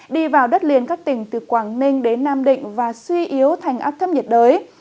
đi vào đất liền các tỉnh từ quảng ninh đến nam định và suy yếu thành áp thấp nhiệt đới